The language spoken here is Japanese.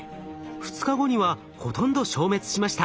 ２日後にはほとんど消滅しました。